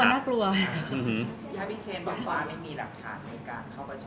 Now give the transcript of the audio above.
ถ้าพี่เคนบอกว่าไม่มีรักษาในการเข้าประชุม